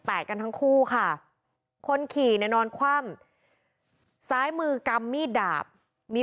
กันทั้งคู่ค่ะคนขี่เนี่ยนอนคว่ำซ้ายมือกำมีดดาบมี